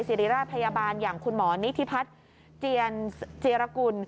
สิริราชพยาบาลอย่างคุณหมอนิธิพัฒน์เจียรกุล